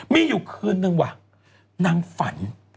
มีอยู่คืนนึงว่ะนางฝัน